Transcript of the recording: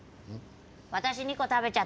私２個食べちゃった。